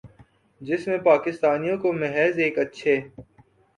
جس میں پاکستانیوں کو محض ایک اچھے